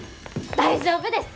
大丈夫です！